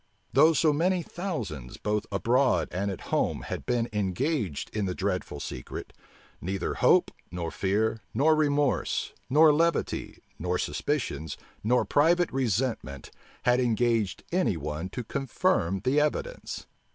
Though so many thousands, both abroad and at home, had been engaged in the dreadful secret, neither hope, nor fear, nor remorse, nor levity, nor suspicions, nor private resentment, had engaged any one to confirm the evidence.